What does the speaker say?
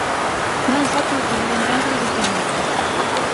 Non só polo fallido intento de superliga.